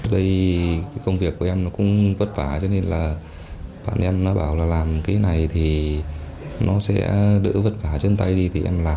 đây cái công việc của em nó cũng vất vả cho nên là bọn em nó bảo là làm cái này thì nó sẽ đỡ vất vả chân tay đi thì em làm